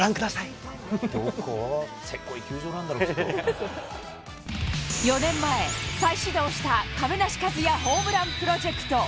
せこい球場なんだろう、４年前、再始動した亀梨和也ホームランプロジェクト。